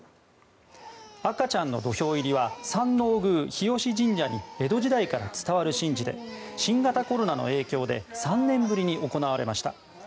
赤ちゃん初土俵入は山王宮日吉神社に江戸時代から伝わる神事で新型コロナの影響で３年ぶりに行われました。